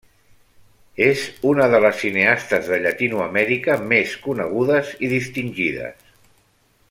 És una de les cineastes de Llatinoamèrica més conegudes i distingides.